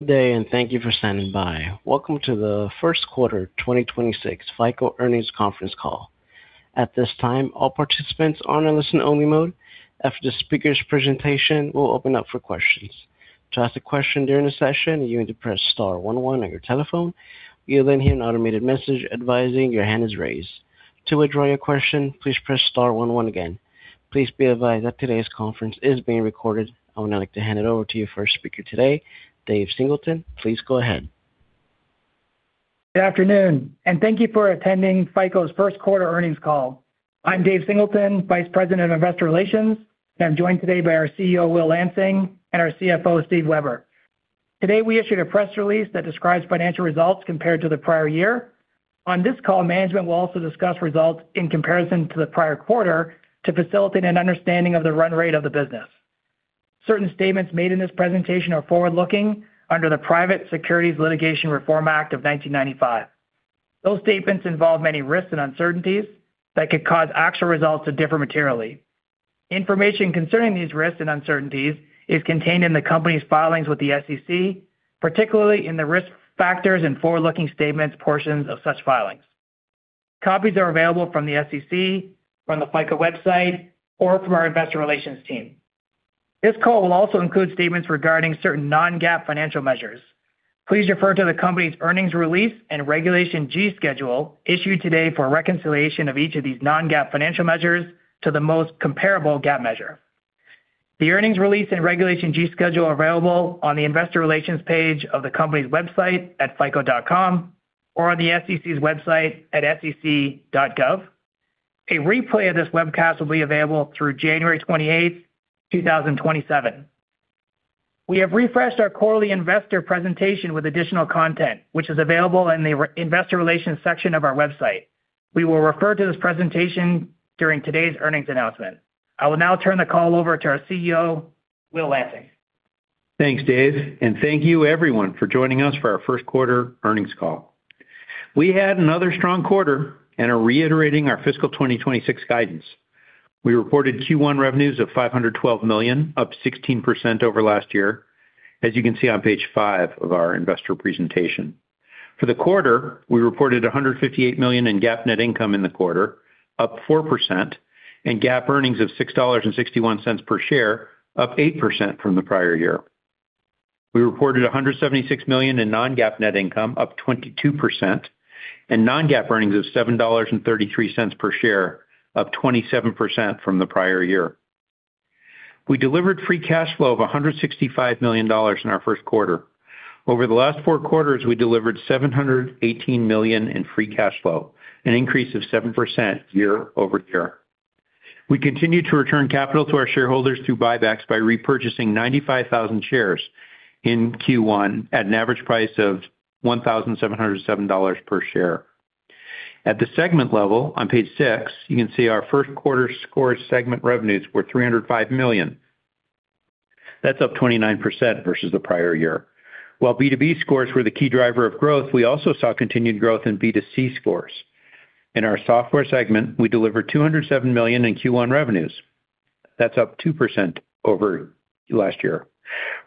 Good day, and thank you for standing by. Welcome to the First Quarter 2026 FICO Earnings Conference Call. At this time, all participants are in a listen-only mode. After the speaker's presentation, we'll open up for questions. To ask a question during the session, you need to press star one one on your telephone. You'll then hear an automated message advising your hand is raised. To withdraw your question, please press star one one again. Please be advised that today's conference is being recorded. I would now like to hand it over to your first speaker today, Dave Singleton. Please go ahead. Good afternoon, and thank you for attending FICO's First Quarter Earnings Call. I'm Dave Singleton, Vice President of Investor Relations, and I'm joined today by our CEO, Will Lansing, and our CFO, Steve Weber. Today, we issued a press release that describes financial results compared to the prior year. On this call, management will also discuss results in comparison to the prior quarter to facilitate an understanding of the run rate of the business. Certain statements made in this presentation are forward-looking under the Private Securities Litigation Reform Act of 1995. Those statements involve many risks and uncertainties that could cause actual results to differ materially. Information concerning these risks and uncertainties is contained in the company's filings with the SEC, particularly in the Risk Factors and Forward-Looking Statements portions of such filings. Copies are available from the SEC, from the FICO website, or from our Investor Relations team. This call will also include statements regarding certain non-GAAP financial measures. Please refer to the company's earnings release and Regulation G schedule issued today for a reconciliation of each of these non-GAAP financial measures to the most comparable GAAP measure. The earnings release and Regulation G schedule are available on the Investor Relations page of the company's website at fico.com or on the SEC's website at sec.gov. A replay of this webcast will be available through January 28, 2027. We have refreshed our quarterly investor presentation with additional content, which is available in the our Investor Relations section of our website. We will refer to this presentation during today's earnings announcement. I will now turn the call over to our CEO, Will Lansing. Thanks, Dave, and thank you everyone for joining us for our first quarter earnings call. We had another strong quarter and are reiterating our fiscal 2026 guidance. We reported Q1 revenues of $512 million, up 16% over last year, as you can see on page five of our investor presentation. For the quarter, we reported $158 million in GAAP net income in the quarter, up 4%, and GAAP earnings of $6.61 per share, up 8% from the prior year. We reported $176 million in non-GAAP net income, up 22%, and non-GAAP earnings of $7.33 per share, up 27% from the prior year. We delivered free cash flow of $165 million in our first quarter. Over the last four quarters, we delivered $718 million in free cash flow, an increase of 7% year-over-year. We continued to return capital to our shareholders through buybacks by repurchasing 95,000 shares in Q1 at an average price of $1,707 per share. At the segment level, on page six, you can see our first quarter Scores segment revenues were $305 million. That's up 29% versus the prior year. While B2B Scores were the key driver of growth, we also saw continued growth in B2C Scores. In our Software segment, we delivered $207 million in Q1 revenues. That's up 2% over last year.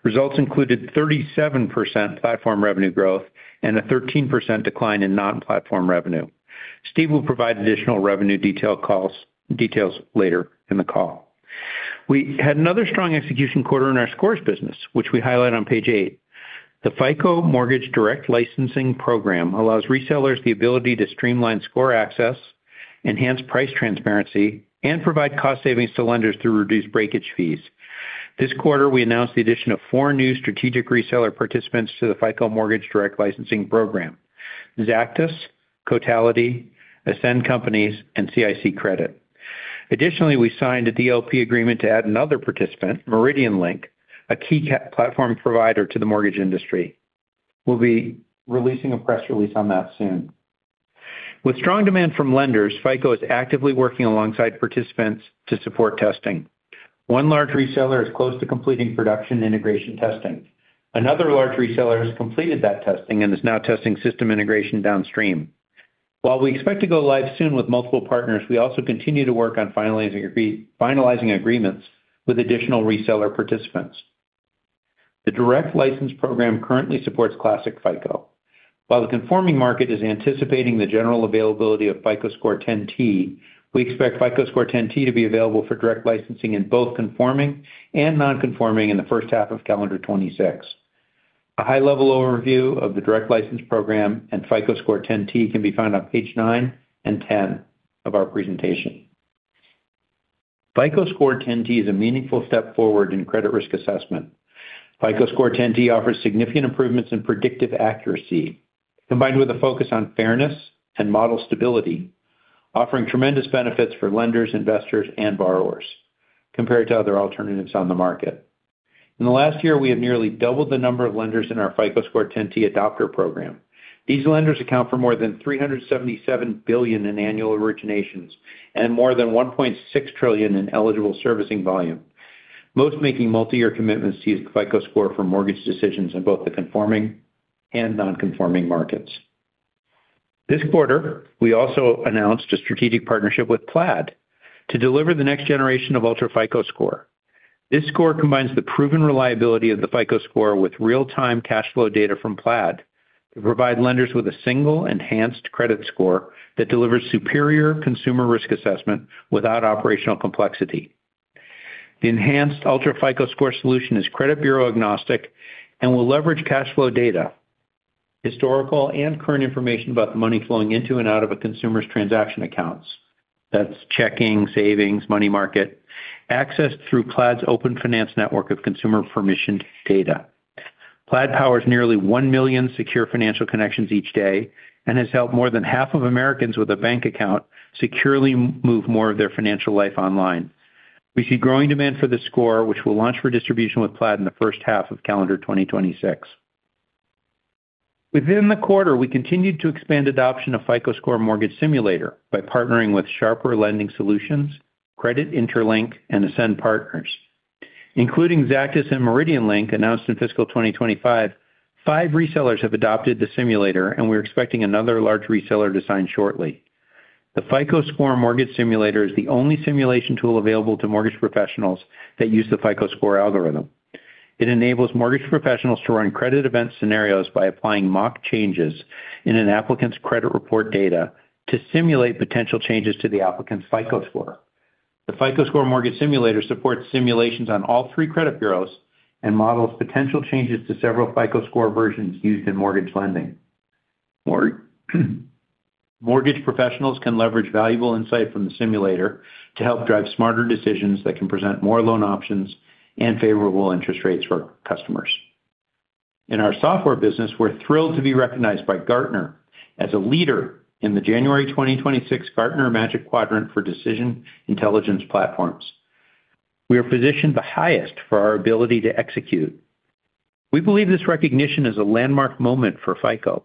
Results included 37% platform revenue growth and a 13% decline in non-platform revenue. Steve will provide additional revenue details later in the call. We had another strong execution quarter in our scores business, which we highlight on page eight. The FICO Mortgage Direct Licensing Program allows resellers the ability to streamline score access, enhance price transparency, and provide cost savings to lenders through reduced breakage fees. This quarter, we announced the addition of four new strategic reseller participants to the FICO Mortgage Direct Licensing Program: Xactus, Cotality, Ascend Companies, and CIC Credit. Additionally, we signed a DLP agreement to add another participant, MeridianLink, a key platform provider to the mortgage industry. We'll be releasing a press release on that soon. With strong demand from lenders, FICO is actively working alongside participants to support testing. One large reseller is close to completing production integration testing. Another large reseller has completed that testing and is now testing system integration downstream. While we expect to go live soon with multiple partners, we also continue to work on finalizing agreements with additional reseller participants. The Direct License Program currently supports Classic FICO. While the conforming market is anticipating the general availability of FICO Score 10T, we expect FICO Score 10T to be available for direct licensing in both conforming and non-conforming in the first half of calendar 2026. A high-level overview of the Direct License Program and FICO Score 10T can be found on page nine and 10 of our presentation. FICO Score 10T is a meaningful step forward in credit risk assessment. FICO Score 10T offers significant improvements in predictive accuracy, combined with a focus on fairness and model stability, offering tremendous benefits for lenders, investors, and borrowers compared to other alternatives on the market. In the last year, we have nearly doubled the number of lenders in our FICO Score 10T adopter program. These lenders account for more than $377 billion in annual originations and more than $1.6 trillion in eligible servicing volume, most making multiyear commitments to use FICO Score for mortgage decisions in both the conforming and non-conforming markets. This quarter, we also announced a strategic partnership with Plaid to deliver the next generation of UltraFICO Score. This score combines the proven reliability of the FICO Score with real-time cash flow data from Plaid to provide lenders with a single enhanced credit score that delivers superior consumer risk assessment without operational complexity. The enhanced UltraFICO Score solution is credit bureau agnostic and will leverage cash flow data, historical and current information about the money flowing into and out of a consumer's transaction accounts. That's checking, savings, money market, accessed through Plaid's open finance network of consumer permissioned data. Plaid powers nearly 1 million secure financial connections each day and has helped more than half of Americans with a bank account securely move more of their financial life online. We see growing demand for this score, which will launch for distribution with Plaid in the first half of calendar 2026. Within the quarter, we continued to expand adoption of FICO Score Mortgage Simulator by partnering with SharperLending, Credit Interlink, and Ascend Partners. Including Xactus and MeridianLink, announced in fiscal 2025, five resellers have adopted the simulator, and we're expecting another large reseller to sign shortly. The FICO Score Mortgage Simulator is the only simulation tool available to mortgage professionals that use the FICO Score algorithm. It enables mortgage professionals to run credit event scenarios by applying mock changes in an applicant's credit report data to simulate potential changes to the applicant's FICO Score. The FICO Score Mortgage Simulator supports simulations on all three credit bureaus and models potential changes to several FICO Score versions used in mortgage lending. Mortgage professionals can leverage valuable insight from the simulator to help drive smarter decisions that can present more loan options and favorable interest rates for customers. In our software business, we're thrilled to be recognized by Gartner as a leader in the January 2026 Gartner Magic Quadrant for Decision Intelligence Platforms. We are positioned the highest for our ability to execute. We believe this recognition is a landmark moment for FICO.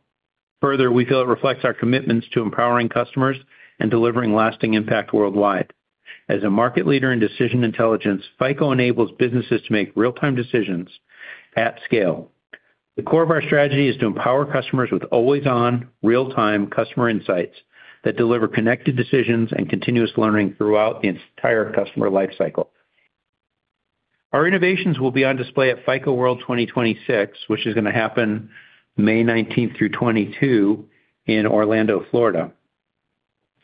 Further, we feel it reflects our commitments to empowering customers and delivering lasting impact worldwide. As a market leader in decision intelligence, FICO enables businesses to make real-time decisions at scale. The core of our strategy is to empower customers with always-on, real-time customer insights that deliver connected decisions and continuous learning throughout the entire customer life cycle. Our innovations will be on display at FICO World 2026, which is gonna happen May 19-22 in Orlando, Florida.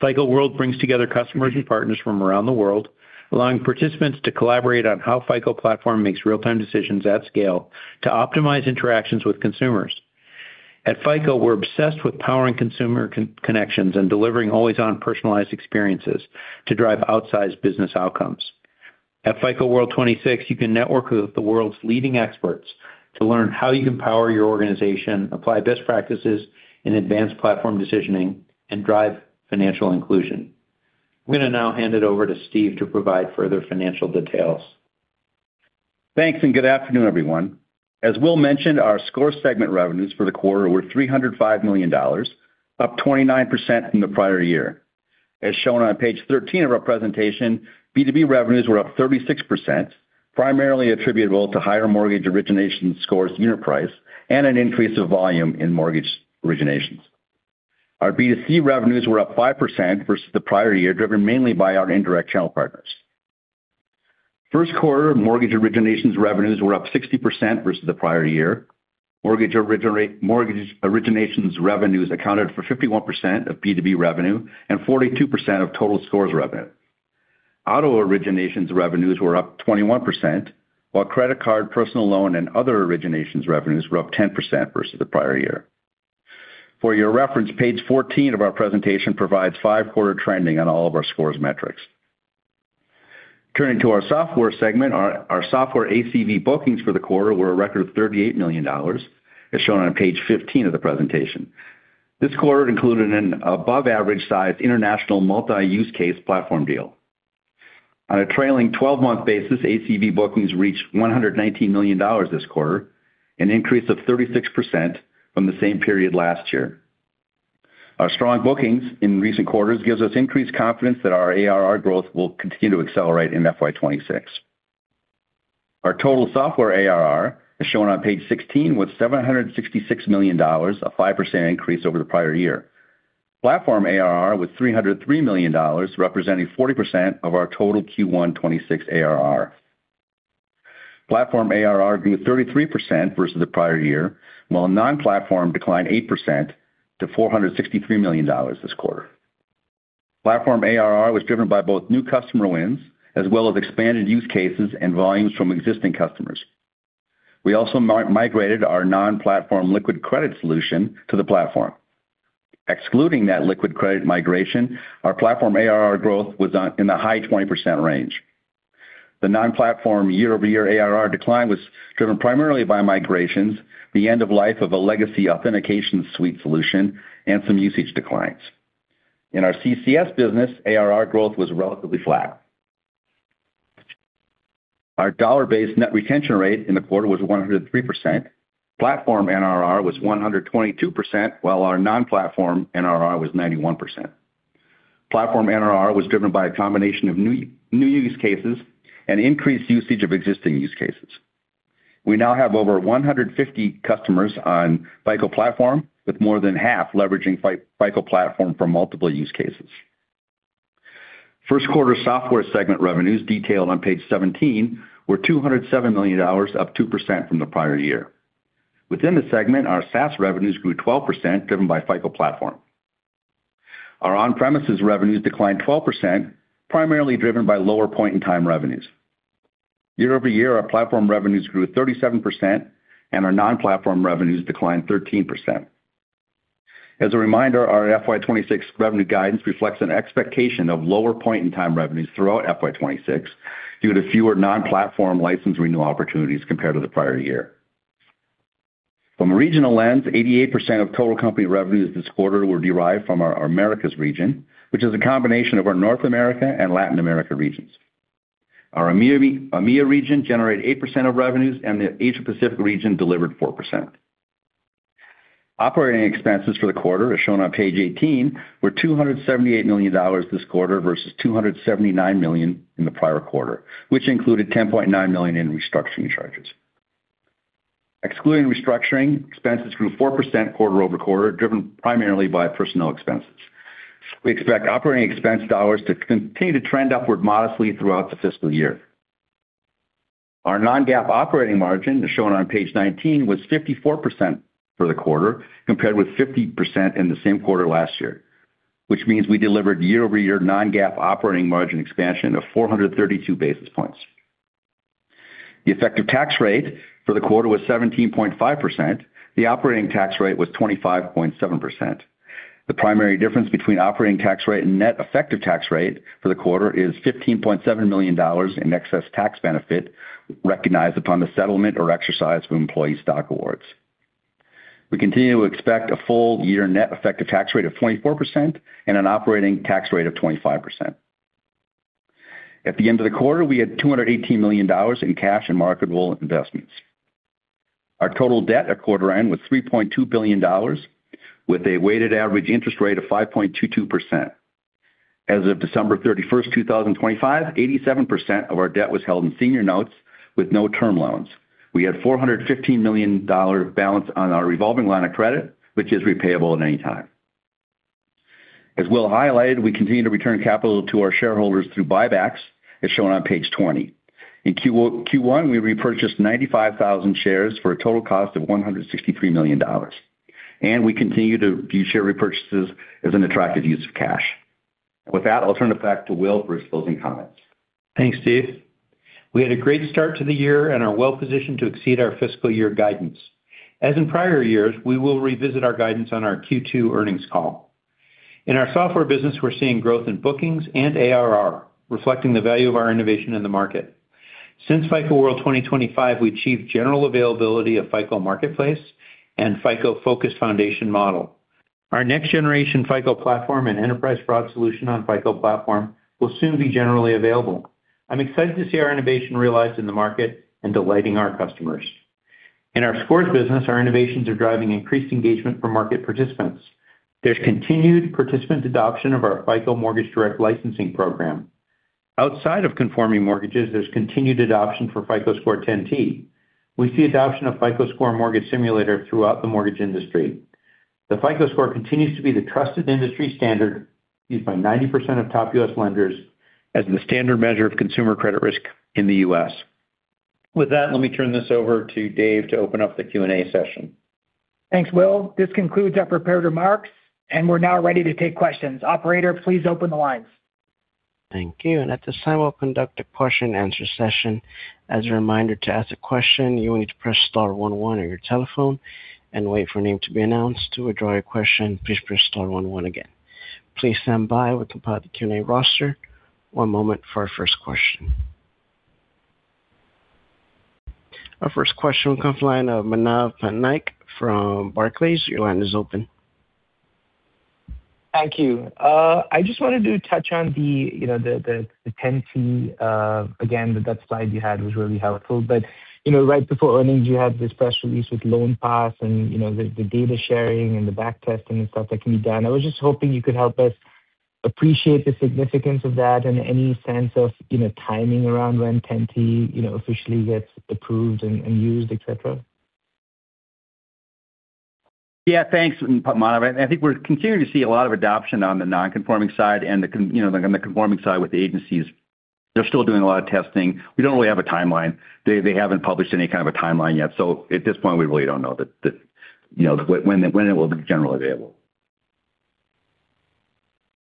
FICO World brings together customers and partners from around the world, allowing participants to collaborate on how FICO Platform makes real-time decisions at scale to optimize interactions with consumers. At FICO, we're obsessed with powering consumer connections and delivering always-on personalized experiences to drive outsized business outcomes. At FICO World 2026, you can network with the world's leading experts to learn how you can power your organization, apply best practices in advanced platform decisioning, and drive financial inclusion. I'm gonna now hand it over to Steve to provide further financial details. Thanks, and good afternoon, everyone. As Will mentioned, our score segment revenues for the quarter were $305 million, up 29% from the prior year. As shown on page 13 of our presentation, B2B revenues were up 36%, primarily attributable to higher mortgage origination scores unit price, and an increase of volume in mortgage originations. Our B2C revenues were up 5% versus the prior year, driven mainly by our indirect channel partners. First quarter mortgage originations revenues were up 60% versus the prior year. Mortgage originations revenues accounted for 51% of B2B revenue and 42% of total scores revenue. Auto originations revenues were up 21%, while credit card, personal loan, and other originations revenues were up 10% versus the prior year. For your reference, page 14 of our presentation provides five quarter trending on all of our scores metrics. Turning to our Software segment, our software ACV bookings for the quarter were a record of $38 million, as shown on page 15 of the presentation. This quarter included an above-average-sized international multi-use case platform deal. On a trailing 12 month basis, ACV bookings reached $119 million this quarter, an increase of 36% from the same period last year. Our strong bookings in recent quarters gives us increased confidence that our ARR growth will continue to accelerate in FY 2026. Our total software ARR is shown on page 16, with $766 million, a 5% increase over the prior year. Platform ARR was $303 million, representing 40% of our total Q1 2026 ARR. Platform ARR grew 33% versus the prior year, while non-platform declined 8% to $463 million this quarter. Platform ARR was driven by both new customer wins as well as expanded use cases and volumes from existing customers. We also migrated our non-platform LiquidCredit solution to the platform. Excluding that LiquidCredit migration, our platform ARR growth was in the high 20% range. The non-platform year-over-year ARR decline was driven primarily by migrations, the end of life of a legacy authentication suite solution, and some usage declines. In our CCS business, ARR growth was relatively flat. Our dollar-based net retention rate in the quarter was 103%. Platform NRR was 122%, while our non-platform NRR was 91%. Platform NRR was driven by a combination of new use cases and increased usage of existing use cases. We now have over 150 customers on FICO Platform, with more than half leveraging FICO Platform for multiple use cases. First quarter Software segment revenues, detailed on page 17, were $207 million, up 2% from the prior year. Within the segment, our SaaS revenues grew 12%, driven by FICO Platform. Our on-premises revenues declined 12%, primarily driven by lower point-in-time revenues. Year-over-year, our platform revenues grew 37% and our non-platform revenues declined 13%. As a reminder, our FY 2026 revenue guidance reflects an expectation of lower point-in-time revenues throughout FY 2026, due to fewer non-platform license renewal opportunities compared to the prior year. From a regional lens, 88% of total company revenues this quarter were derived from our Americas region, which is a combination of our North America and Latin America regions. Our EMEA, EMEA region generated 8% of revenues, and the Asia Pacific region delivered 4%. Operating expenses for the quarter, as shown on page 18, were $278 million this quarter versus $279 million in the prior quarter, which included $10.9 million in restructuring charges. Excluding restructuring, expenses grew 4% quarter-over-quarter, driven primarily by personnel expenses. We expect operating expense dollars to continue to trend upward modestly throughout the fiscal year. Our non-GAAP operating margin, as shown on page 19, was 54% for the quarter, compared with 50% in the same quarter last year, which means we delivered year-over-year non-GAAP operating margin expansion of 432 basis points. The effective tax rate for the quarter was 17.5%. The operating tax rate was 25.7%. The primary difference between operating tax rate and net effective tax rate for the quarter is $15.7 million in excess tax benefit recognized upon the settlement or exercise of employee stock awards. We continue to expect a full year net effective tax rate of 24% and an operating tax rate of 25%. At the end of the quarter, we had $218 million in cash and marketable investments. Our total debt at quarter end was $3.2 billion, with a weighted average interest rate of 5.22%. As of December 31st, 2025, 87% of our debt was held in senior notes with no term loans. We had $415 million balance on our revolving line of credit, which is repayable at any time. As Will highlighted, we continue to return capital to our shareholders through buybacks, as shown on page 20. In Q1, we repurchased 95,000 shares for a total cost of $163 million, and we continue to view share repurchases as an attractive use of cash. With that, I'll turn it back to Will for his closing comments. Thanks, Steve. We had a great start to the year and are well positioned to exceed our fiscal year guidance. As in prior years, we will revisit our guidance on our Q2 earnings call. In our software business, we're seeing growth in bookings and ARR, reflecting the value of our innovation in the market. Since FICO World 2025, we achieved general availability of FICO Marketplace and FICO Focus Foundation model. Our next generation FICO Platform and enterprise fraud solutions on FICO Platform will soon be generally available. I'm excited to see our innovation realized in the market and delighting our customers. In our scores business, our innovations are driving increased engagement for market participants. There's continued participant adoption of our FICO Mortgage Direct Licensing Program. Outside of conforming mortgages, there's continued adoption for FICO Score 10T. We see adoption of FICO Score Mortgage Simulator throughout the mortgage industry. The FICO Score continues to be the trusted industry standard, used by 90% of top U.S. lenders as the standard measure of consumer credit risk in the U.S. With that, let me turn this over to Dave to open up the Q&A session. Thanks, Will. This concludes our prepared remarks, and we're now ready to take questions. Operator, please open the lines. Thank you. And at this time, we'll conduct a question-and-answer session. As a reminder, to ask a question, you will need to press star one one on your telephone and wait for your name to be announced. To withdraw your question, please press star one one again. Please stand by. We'll compile the Q&A roster. One moment for our first question. Our first question will come from the line of Manav Patnaik from Barclays. Your line is open. Thank you. I just wanted to touch on the, you know, the, the 10T. Again, that slide you had was really helpful. But, you know, right before earnings, you had this press release with LoanPass and, you know, the, the data sharing and the back testing and stuff that can be done. I was just hoping you could help us appreciate the significance of that and any sense of, you know, timing around when 10T, you know, officially gets approved and, and used, et cetera. Yeah, thanks, Manav. I think we're continuing to see a lot of adoption on the non-conforming side and you know, on the conforming side with the agencies. They're still doing a lot of testing. We don't really have a timeline. They haven't published any kind of a timeline yet, so at this point, we really don't know, you know, when it will be generally available.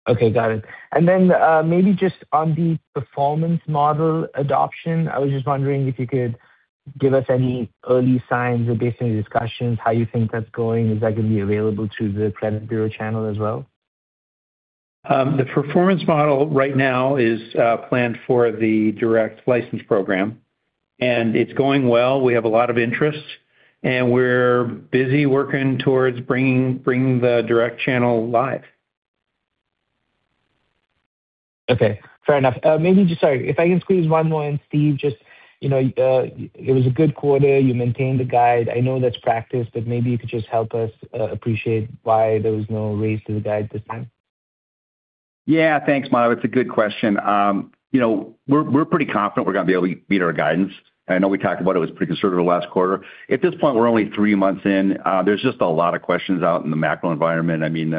Okay, got it. And then, maybe just on the performance model adoption, I was just wondering if you could give us any early signs or based on your discussions, how you think that's going. Is that going to be available to the credit bureau channel as well? The performance model right now is planned for the Direct License Program, and it's going well. We have a lot of interest, and we're busy working towards bringing the direct channel live. Okay, fair enough. Maybe just... Sorry, if I can squeeze one more in, Steve, just, you know, it was a good quarter. You maintained the guide. I know that's practice, but maybe you could just help us appreciate why there was no raise to the guide this time?... Yeah, thanks, Manav. It's a good question. You know, we're, we're pretty confident we're gonna be able to beat our guidance. I know we talked about it was pretty conservative last quarter. At this point, we're only three months in. There's just a lot of questions out in the macro environment. I mean,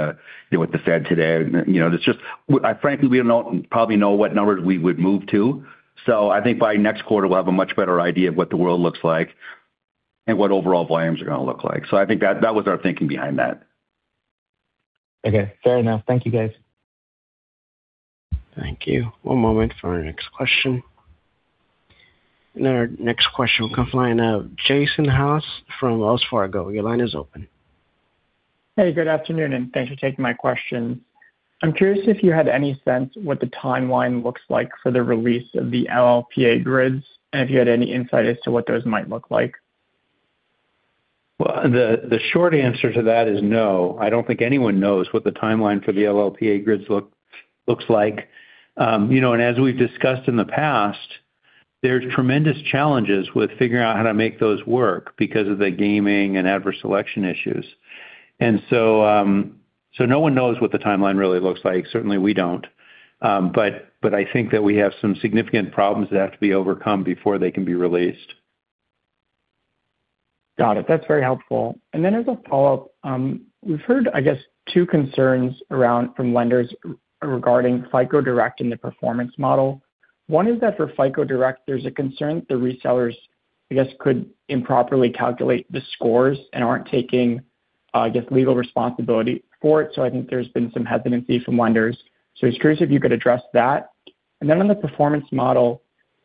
with the Fed today, you know, it's just frankly, we don't probably know what numbers we would move to. So I think by next quarter, we'll have a much better idea of what the world looks like and what overall volumes are gonna look like. So I think that, that was our thinking behind that. Okay, fair enough. Thank you, guys. Thank you. One moment for our next question. Our next question will come from the line of Jason Haas from Wells Fargo. Your line is open. Hey, good afternoon, and thanks for taking my question. I'm curious if you had any sense what the timeline looks like for the release of the LLPA grids, and if you had any insight as to what those might look like? Well, the short answer to that is no. I don't think anyone knows what the timeline for the LLPA grids looks like. You know, and as we've discussed in the past, there's tremendous challenges with figuring out how to make those work because of the gaming and adverse selection issues. And so, no one knows what the timeline really looks like. Certainly, we don't. But I think that we have some significant problems that have to be overcome before they can be released. Got it. That's very helpful. And then as a follow-up, we've heard, I guess, two concerns around from lenders regarding FICO Direct and the performance model. One is that for FICO Direct, there's a concern that the resellers, I guess, could improperly calculate the scores and aren't taking, I guess, legal responsibility for it. So I think there's been some hesitancy from lenders. So I was curious if you could address that. And then on the performance model,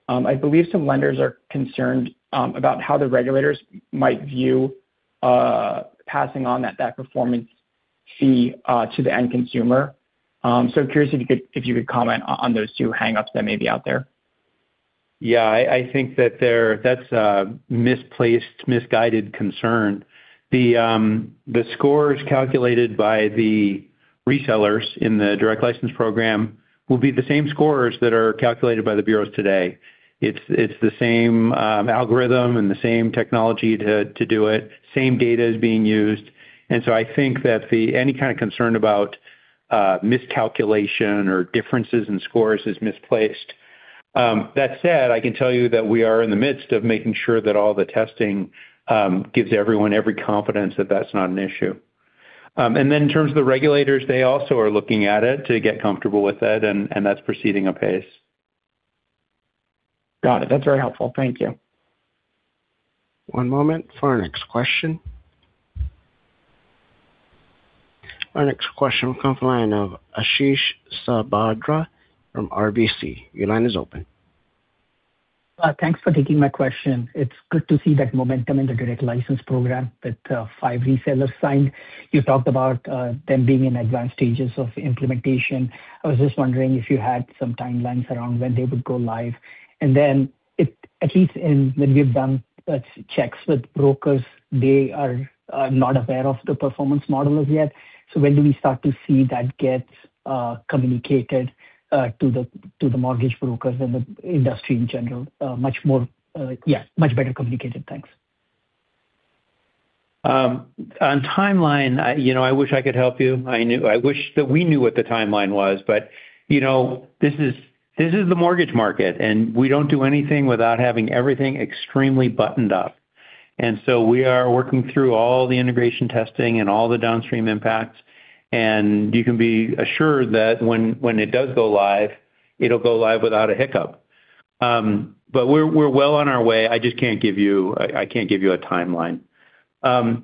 I believe some lenders are concerned about how the regulators might view passing on that performance fee to the end consumer. So curious if you could comment on those two hang-ups that may be out there. Yeah, I think that's a misplaced, misguided concern. The scores calculated by the resellers in the Direct License Program will be the same scores that are calculated by the bureaus today. It's the same algorithm and the same technology to do it. Same data is being used. And so I think that any kind of concern about miscalculation or differences in scores is misplaced. That said, I can tell you that we are in the midst of making sure that all the testing gives everyone every confidence that that's not an issue. And then in terms of the regulators, they also are looking at it to get comfortable with it, and that's proceeding apace. Got it. That's very helpful. Thank you. One moment for our next question. Our next question will come from the line of Ashish Sabadra from RBC. Your line is open. Thanks for taking my question. It's good to see that momentum in the Direct License Program, that five resellers signed. You talked about them being in advanced stages of implementation. I was just wondering if you had some timelines around when they would go live. And then at least when we've done checks with brokers, they are not aware of the performance model as yet. So when do we start to see that get communicated to the mortgage brokers and the industry in general? Much more, yeah, much better communicated. Thanks. On timeline, I, you know, I wish I could help you. I wish that we knew what the timeline was, but, you know, this is, this is the mortgage market, and we don't do anything without having everything extremely buttoned up. And so we are working through all the integration testing and all the downstream impacts, and you can be assured that when, when it does go live, it'll go live without a hiccup. But we're, we're well on our way. I just can't give you... I, I can't give you a timeline. No,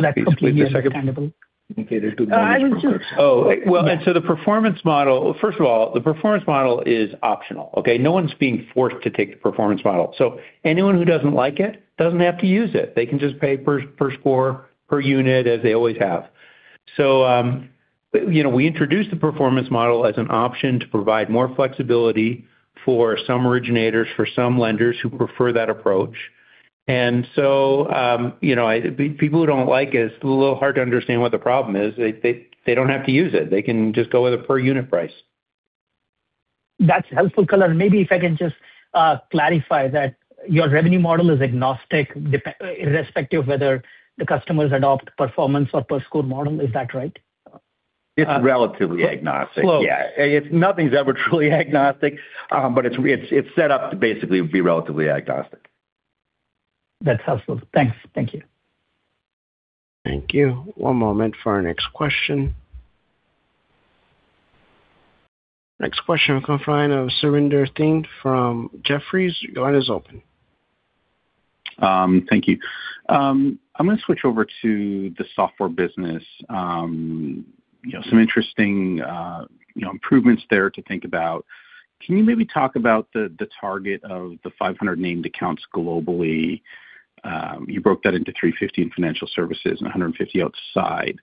that's completely understandable. Indicated to the- I will too. Oh, well, the performance model. First of all, the performance model is optional, okay? No one's being forced to take the performance model. So anyone who doesn't like it doesn't have to use it. They can just pay per score, per unit, as they always have. So, you know, we introduced the performance model as an option to provide more flexibility for some originators, for some lenders who prefer that approach. And so, you know, people who don't like it, it's a little hard to understand what the problem is. They don't have to use it. They can just go with a per unit price. That's helpful color. Maybe if I can just clarify that your revenue model is agnostic, irrespective of whether the customers adopt performance or per score model. Is that right? It's relatively agnostic. Well- Yeah. It's nothing's ever truly agnostic, but it's set up to basically be relatively agnostic. That's helpful. Thanks. Thank you. Thank you. One moment for our next question. Next question will come from the line of Surinder Thind from Jefferies. Your line is open. Thank you. I'm gonna switch over to the software business. You know, some interesting improvements there to think about. Can you maybe talk about the target of the 500 named accounts globally? You broke that into 350 in financial services and 150 outside.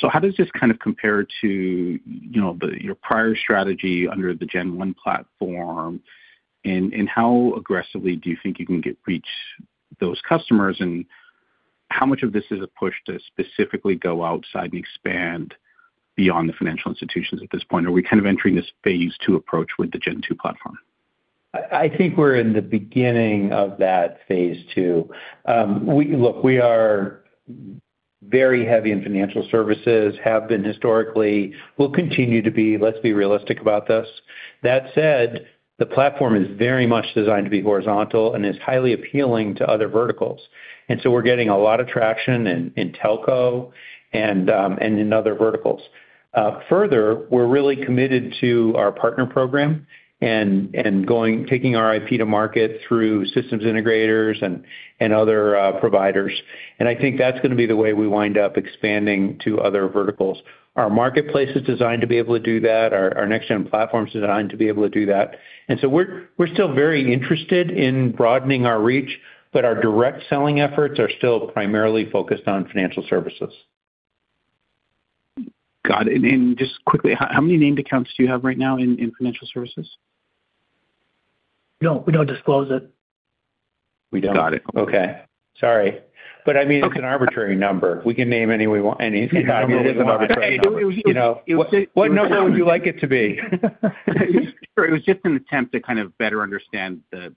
So how does this kind of compare to, you know, your prior strategy under the Gen One platform? And how aggressively do you think you can reach those customers, and how much of this is a push to specifically go outside and expand beyond the financial institutions at this point? Are we kind of entering this phase two approach with the Gen Two platform?... I think we're in the beginning of that phase two. Look, we are very heavy in financial services, have been historically, will continue to be. Let's be realistic about this. That said, the platform is very much designed to be horizontal and is highly appealing to other verticals. And so we're getting a lot of traction in telco and in other verticals. Further, we're really committed to our partner program and going, taking our IP to market through systems integrators and other providers. And I think that's gonna be the way we wind up expanding to other verticals. Our marketplace is designed to be able to do that. Our next gen platform is designed to be able to do that. And so we're still very interested in broadening our reach, but our direct selling efforts are still primarily focused on financial services. Got it. And just quickly, how many named accounts do you have right now in financial services? We don't, we don't disclose it. We don't. Got it. Okay. Sorry. But I mean- Okay. It's an arbitrary number. We can name any we want, any number. It is an arbitrary number. You know, what number would you like it to be? It was just an attempt to kind of better understand the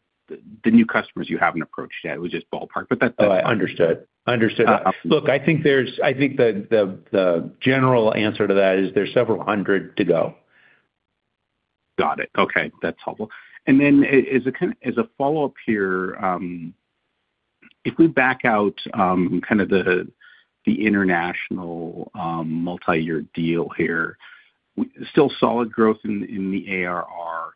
new customers you haven't approached yet. It was just ballpark, but that's- Oh, understood. Understood. Uh- Look, I think there's... I think the general answer to that is there's several hundred to go. Got it. Okay, that's helpful. And then, as a kind of follow-up here, if we back out kind of the international multiyear deal here, still solid growth in the ARR,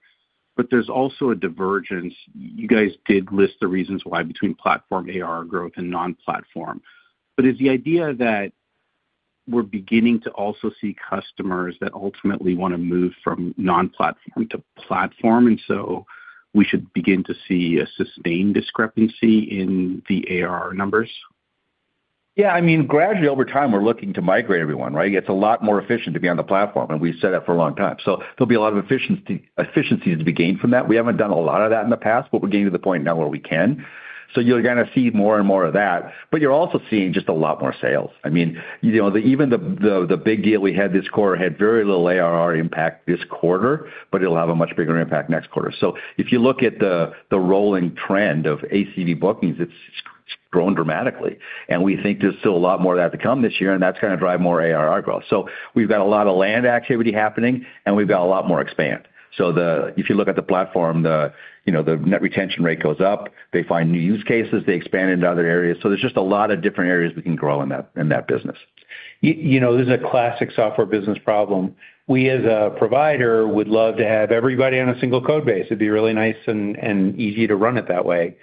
but there's also a divergence. You guys did list the reasons why between platform ARR growth and non-platform. But is the idea that we're beginning to also see customers that ultimately want to move from non-platform to platform, and so we should begin to see a sustained discrepancy in the ARR numbers? Yeah, I mean, gradually, over time, we're looking to migrate everyone, right? It's a lot more efficient to be on the platform, and we've said that for a long time. So there'll be a lot of efficiency, efficiency to be gained from that. We haven't done a lot of that in the past, but we're getting to the point now where we can. So you're gonna see more and more of that, but you're also seeing just a lot more sales. I mean, you know, even the big deal we had this quarter had very little ARR impact this quarter, but it'll have a much bigger impact next quarter. So if you look at the rolling trend of ACV bookings, it's grown dramatically, and we think there's still a lot more of that to come this year, and that's gonna drive more ARR growth. So we've got a lot of land activity happening, and we've got a lot more expand. So if you look at the platform, you know, the net retention rate goes up. They find new use cases, they expand into other areas. So there's just a lot of different areas we can grow in that, in that business. You know, this is a classic software business problem. We, as a provider, would love to have everybody on a single code base. It'd be really nice and easy to run it that way.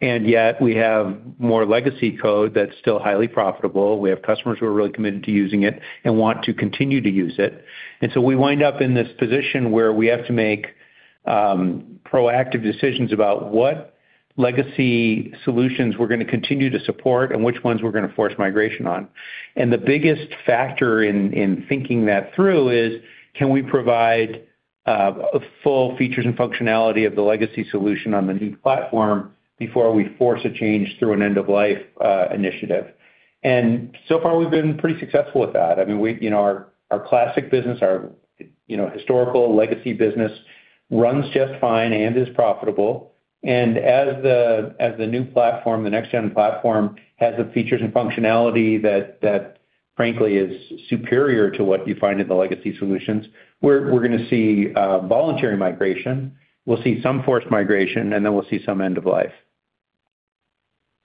And yet, we have more legacy code that's still highly profitable. We have customers who are really committed to using it and want to continue to use it. And so we wind up in this position where we have to make proactive decisions about what legacy solutions we're gonna continue to support and which ones we're gonna force migration on. And the biggest factor in thinking that through is, can we provide a full features and functionality of the legacy solution on the new platform before we force a change through an end-of-life initiative? And so far, we've been pretty successful with that. I mean, you know, our classic business, our historical legacy business, runs just fine and is profitable. And as the new platform, the next gen platform, has the features and functionality that frankly is superior to what you find in the legacy solutions, we're gonna see voluntary migration, we'll see some forced migration, and then we'll see some end of life.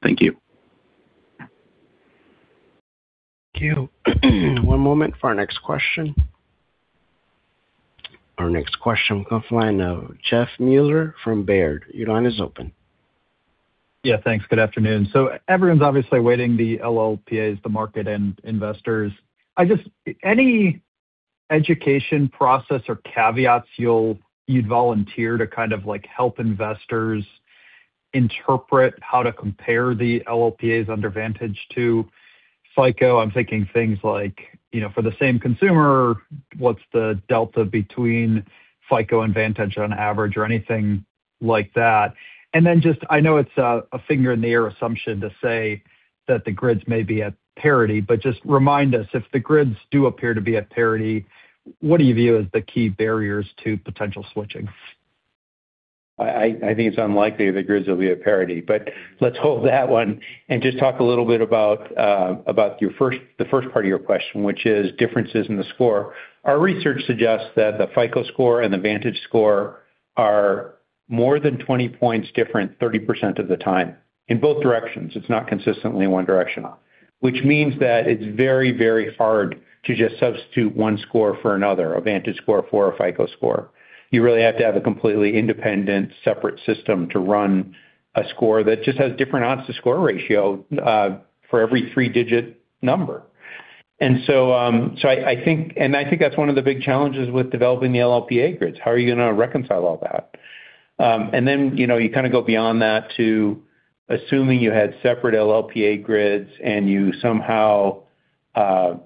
Thank you. Thank you. One moment for our next question. Our next question comes from the line of Jeff Miller from Baird. Your line is open. Yeah, thanks. Good afternoon. So everyone's obviously waiting, the LLPAs, the market and investors. I just any education process or caveats you'd volunteer to kind of, like, help investors interpret how to compare the LLPAs under Vantage to FICO? I'm thinking things like, you know, for the same consumer, what's the delta between FICO and Vantage on average or anything like that. Then just I know it's a finger in the air assumption to say that the grids may be at parity, but just remind us, if the grids do appear to be at parity, what do you view as the key barriers to potential switching? I think it's unlikely the grids will be at parity, but let's hold that one and just talk a little bit about your first, the first part of your question, which is differences in the score. Our research suggests that the FICO score and the VantageScore are more than 20 points different, 30% of the time, in both directions. It's not consistently in one direction. Which means that it's very, very hard to just substitute one score for another, a VantageScore for a FICO score. You really have to have a completely independent, separate system to run a score that just has different odds to score ratio for every three-digit number. And so, I think and I think that's one of the big challenges with developing the LLPA grids. How are you gonna reconcile all that? And then, you know, you kind of go beyond that to assuming you had separate LLPA grids and you somehow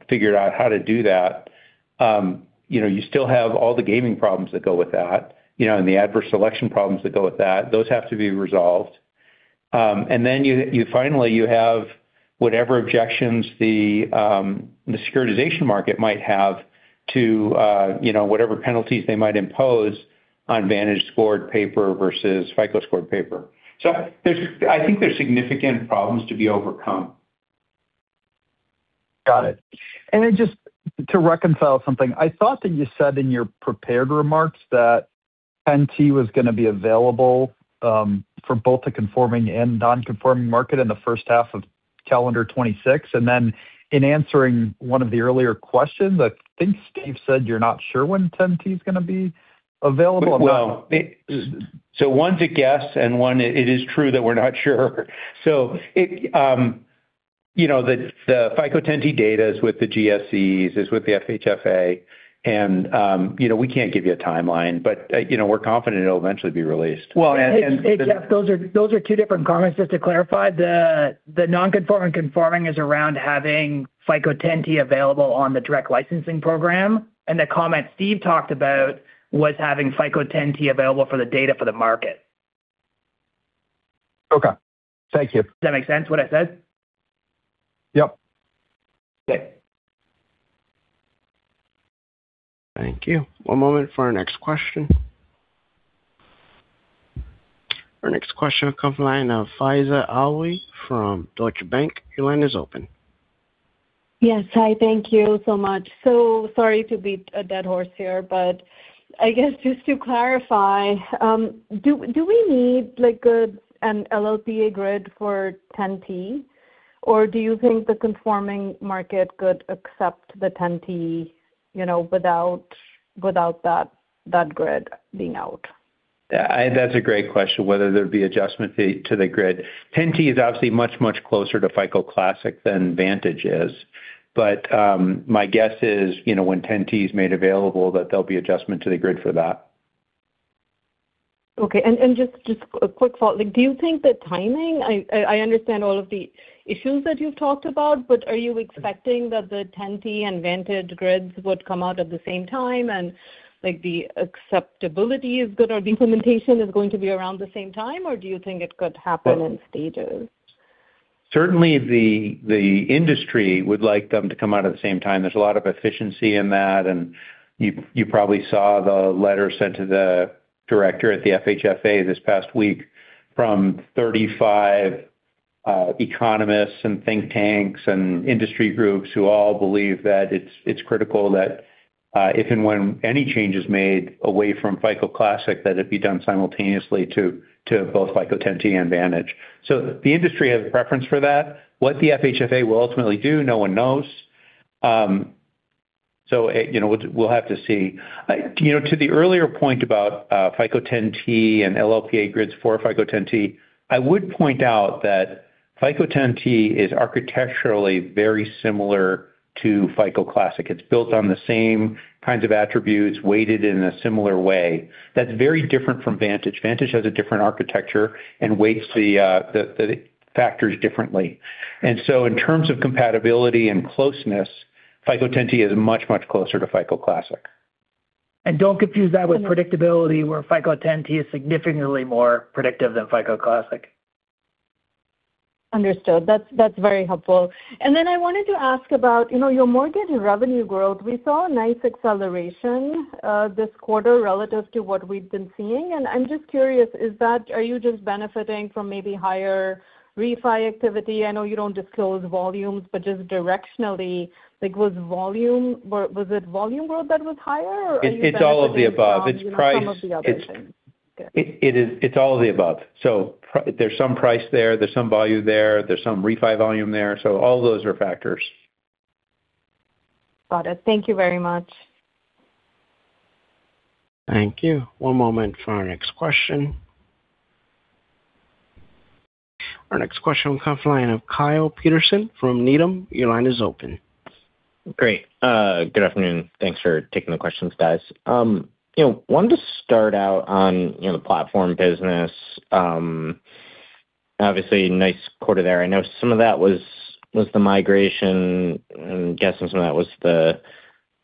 figured out how to do that, you know, you still have all the gaming problems that go with that, you know, and the adverse selection problems that go with that. Those have to be resolved. And then you, you finally, you have whatever objections the, the securitization market might have to, you know, whatever penalties they might impose on VantageScore-scored paper versus FICO-scored paper. So there's - I think there's significant problems to be overcome. Got it. Then just to reconcile something, I thought that you said in your prepared remarks that 10T was going to be available for both the conforming and non-conforming market in the first half of calendar 2026. Then in answering one of the earlier questions, I think Steve said, you're not sure when 10T is going to be available? Well, so one's a guess, and one, it is true that we're not sure. So it, you know, the FICO 10T data is with the GSEs, is with the FHFA, and, you know, we can't give you a timeline, but, you know, we're confident it'll eventually be released. Well, and- Hey, Jeff, those are, those are two different comments. Just to clarify, the non-conforming/conforming is around having FICO 10T available on the direct licensing program. And the comment Steve talked about was having FICO 10T available for the data for the market. Okay. Thank you. Does that make sense, what I said? Yep. Okay. Thank you. One moment for our next question. Our next question comes from the line of Faiza Alwy from Deutsche Bank. Your line is open. Yes. Hi, thank you so much. So sorry to beat a dead horse here, but I guess just to clarify, do we need, like, an LLPA grid for 10T? Or do you think the conforming market could accept the 10T, you know, without that grid being out? That's a great question, whether there'd be adjustment fee to the grid. 10T is obviously much, much closer to FICO Classic than Vantage is. But, my guess is, you know, when 10T is made available, that there'll be adjustment to the grid for that. Okay. And just a quick follow. Like, do you think the timing... I understand all of the issues that you've talked about, but are you expecting that the 10T and VantageScore would come out at the same time, and, like, the acceptability is good, or the implementation is going to be around the same time, or do you think it could happen in stages? Certainly, the industry would like them to come out at the same time. There's a lot of efficiency in that, and you, you probably saw the letter sent to the director at the FHFA this past week from 35 economists and think tanks and industry groups who all believe that it's critical that if and when any change is made away from FICO Classic, that it be done simultaneously to both FICO 10T and Vantage. So the industry has a preference for that. What the FHFA will ultimately do, no one knows. So you know, we'll have to see. You know, to the earlier point about FICO 10T and LLPA grids for FICO 10T, I would point out that FICO 10T is architecturally very similar to FICO Classic. It's built on the same kinds of attributes, weighted in a similar way. That's very different from Vantage. Vantage has a different architecture and weights the factors differently. And so in terms of compatibility and closeness, FICO 10T is much, much closer to FICO Classic. Don't confuse that with predictability, where FICO 10T is significantly more predictive than FICO Classic. Understood. That's, that's very helpful. And then I wanted to ask about, you know, your mortgage revenue growth. We saw a nice acceleration, this quarter relative to what we've been seeing. And I'm just curious, is that—are you just benefiting from maybe higher refi activity? I know you don't disclose volumes, but just directionally, like, was volume, was it volume growth that was higher, or are you- It's, it's all of the above. It's price- Some of the other things. It is. It's all of the above. So there's some price there, there's some volume there, there's some refi volume there. So all those are factors. Got it. Thank you very much. Thank you. One moment for our next question. Our next question will come from the line of Kyle Peterson from Needham. Your line is open. Great. Good afternoon. Thanks for taking the questions, guys. You know, wanted to start out on, you know, the platform business. Obviously, nice quarter there. I know some of that was, was the migration, I'm guessing some of that was the,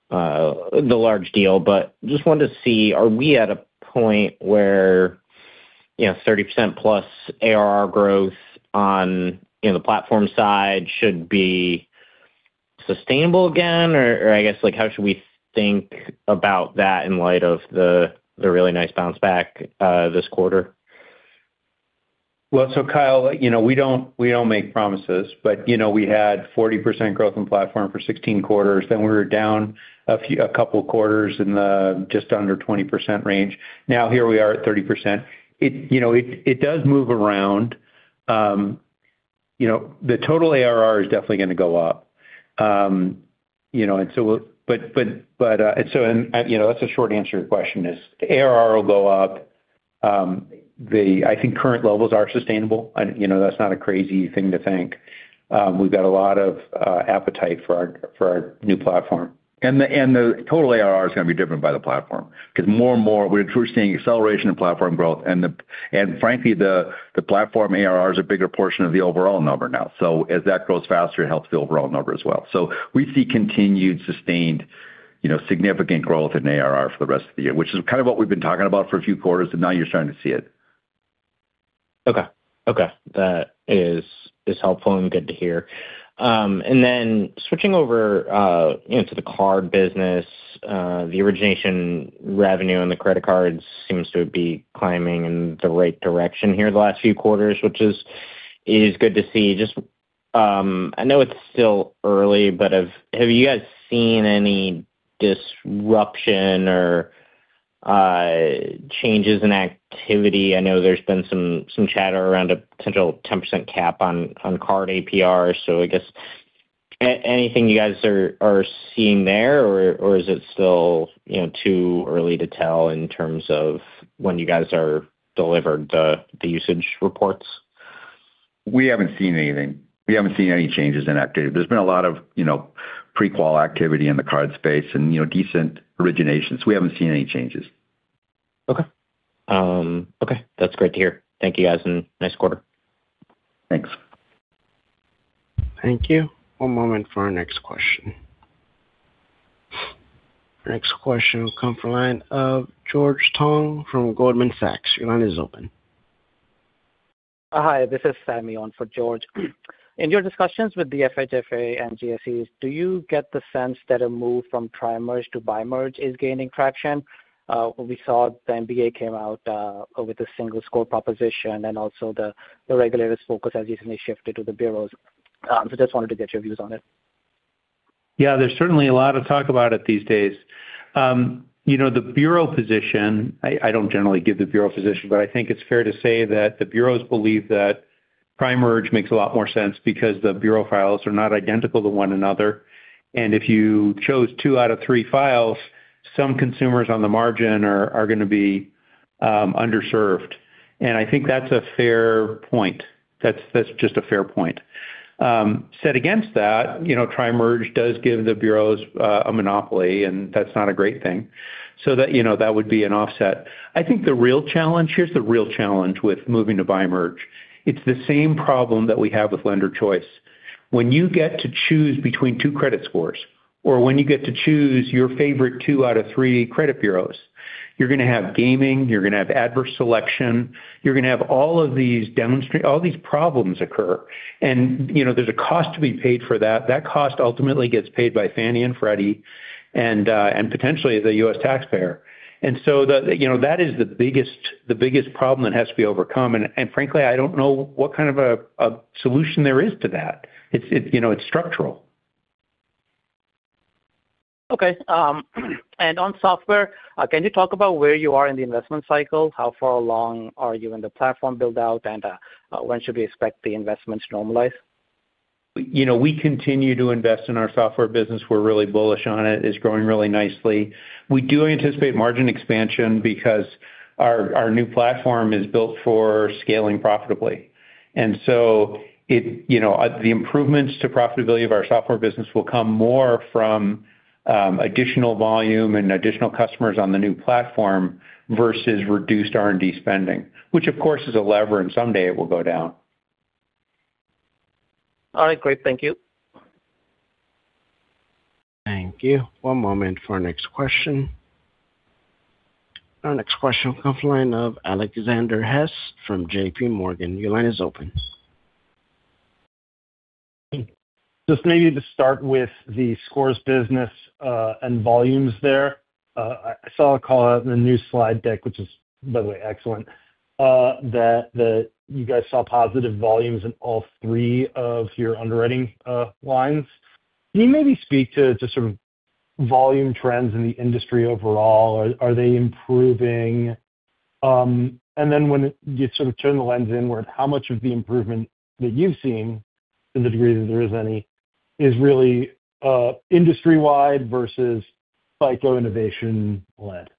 the large deal. But just wanted to see, are we at a point where, you know, 30%+ ARR growth on, you know, the platform side should be sustainable again? Or, or I guess, like, how should we think about that in light of the, the really nice bounce back, this quarter? Well, so Kyle, you know, we don't make promises, but, you know, we had 40% growth in platform for 16 quarters, then we were down a few, a couple quarters in the just under 20% range. Now, here we are at 30%. It, you know, does move around. You know, the total ARR is definitely going to go up. You know, and so, but, but, but, and so... And, you know, that's a short answer to your question, is ARR will go up. I think current levels are sustainable. And, you know, that's not a crazy thing to think. We've got a lot of appetite for our new platform. And the total ARR is going to be different by the platform, because more and more, we're seeing acceleration in platform growth. And frankly, the platform ARR is a bigger portion of the overall number now. So as that grows faster, it helps the overall number as well. So we see continued, sustained, you know, significant growth in ARR for the rest of the year, which is kind of what we've been talking about for a few quarters, and now you're starting to see it.... Okay. Okay, that is helpful and good to hear. And then switching over, you know, to the card business, the origination revenue and the credit cards seems to be climbing in the right direction here the last few quarters, which is good to see. Just, I know it's still early, but have you guys seen any disruption or changes in activity? I know there's been some chatter around a potential 10% cap on card APRs. So I guess anything you guys are seeing there, or is it still, you know, too early to tell in terms of when you guys are delivered the usage reports? We haven't seen anything. We haven't seen any changes in activity. There's been a lot of, you know, pre-qual activity in the card space and, you know, decent originations. We haven't seen any changes. Okay. Okay, that's great to hear. Thank you, guys, and nice quarter. Thanks. Thank you. One moment for our next question. Our next question will come from the line of George Tong from Goldman Sachs. Your line is open. Hi, this is Sami on for George. In your discussions with the FHFA and GSEs, do you get the sense that a move from tri-merge to bi-merge is gaining traction? We saw the MBA came out with a single score proposition, and also the, the regulators' focus has recently shifted to the bureaus. So just wanted to get your views on it. Yeah, there's certainly a lot of talk about it these days. You know, the bureau position. I don't generally give the bureau position, but I think it's fair to say that the bureaus believe that tri-merge makes a lot more sense because the bureau files are not identical to one another, and if you chose two out of three files, some consumers on the margin are gonna be underserved. And I think that's a fair point. That's just a fair point. Set against that, you know, tri-merge does give the bureaus a monopoly, and that's not a great thing. So that, you know, that would be an offset. I think the real challenge. Here's the real challenge with moving to bi-merge. It's the same problem that we have with lender choice. When you get to choose between two credit scores or when you get to choose your favorite two out of three credit bureaus, you're gonna have gaming, you're gonna have adverse selection, you're gonna have all these problems occur. You know, there's a cost to be paid for that. That cost ultimately gets paid by Fannie and Freddie and potentially the U.S. taxpayer. You know, that is the biggest, the biggest problem that has to be overcome. Frankly, I don't know what kind of a solution there is to that. You know, it's structural. Okay. On software, can you talk about where you are in the investment cycle? How far along are you in the platform build-out, and when should we expect the investments to normalize? You know, we continue to invest in our software business. We're really bullish on it. It's growing really nicely. We do anticipate margin expansion because our, our new platform is built for scaling profitably. And so it... You know, the improvements to profitability of our software business will come more from additional volume and additional customers on the new platform versus reduced R&D spending, which of course, is a lever, and someday it will go down. All right, great. Thank you. Thank you. One moment for our next question. Our next question will come from the line of Alexander Hess from JPMorgan. Your line is open. Just maybe to start with the scores business, and volumes there. I saw a call out in the new slide deck, which is, by the way, excellent, that you guys saw positive volumes in all three of your underwriting lines. Can you maybe speak to sort of volume trends in the industry overall? Are they improving? And then when you sort of turn the lens inward, how much of the improvement that you've seen, to the degree that there is any, is really industry-wide versus FICO innovation led?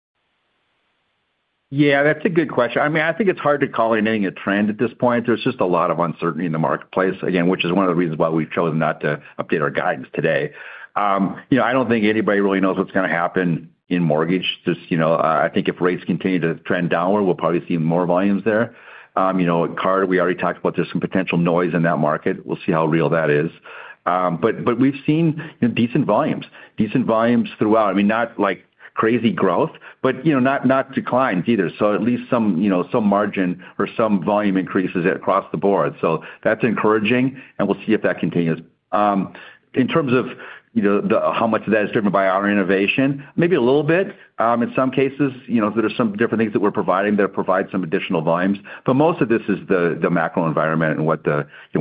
Yeah, that's a good question. I mean, I think it's hard to call anything a trend at this point. There's just a lot of uncertainty in the marketplace, again, which is one of the reasons why we've chosen not to update our guidance today. You know, I don't think anybody really knows what's gonna happen in mortgage. Just, you know, I think if rates continue to trend downward, we'll probably see more volumes there. You know, at Card, we already talked about there's some potential noise in that market. We'll see how real that is. But, but we've seen decent volumes, decent volumes throughout. I mean, not like crazy growth, but, you know, not, not declines either. So at least some, you know, some margin or some volume increases across the board. So that's encouraging, and we'll see if that continues. In terms of, you know, the how much of that is driven by our innovation, maybe a little bit. In some cases, you know, there are some different things that we're providing that provide some additional volumes, but most of this is the macro environment and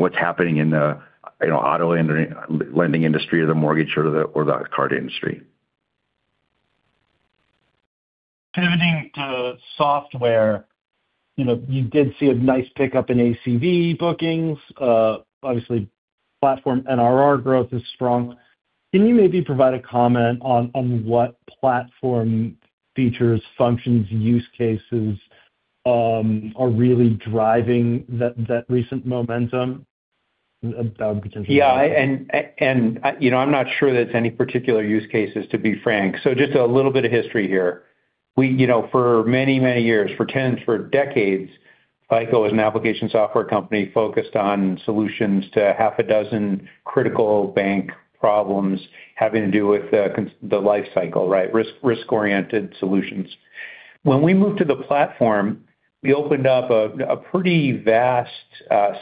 what's happening in the, you know, auto lending industry or the mortgage or the card industry. Pivoting to software, you know, you did see a nice pickup in ACV bookings. Obviously, platform NRR growth is strong. Can you maybe provide a comment on, on what platform features, functions, use cases, are really driving that, that recent momentum, potentially? Yeah, and you know, I'm not sure there's any particular use cases, to be frank. So just a little bit of history here. We, you know, for many, many years, for tens, for decades, FICO was an application software company focused on solutions to half a dozen critical bank problems having to do with the customer life cycle, right? Risk, risk-oriented solutions. When we moved to the platform, we opened up a pretty vast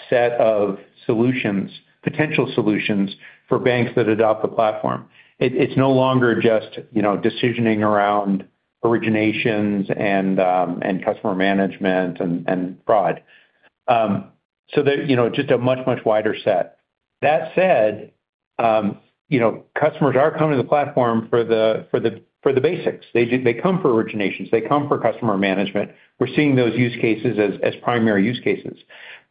set of solutions, potential solutions for banks that adopt the platform. It's no longer just, you know, decisioning around originations and customer management and fraud. So there, you know, just a much, much wider set. That said, you know, customers are coming to the platform for the basics. They come for originations. They come for customer management. We're seeing those use cases as primary use cases.